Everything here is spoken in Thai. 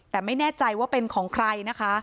แต่ไม่แน่ใจว่าเป็นของใครนะคะ